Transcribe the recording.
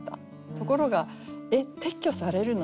ところが「えっ撤去されるの？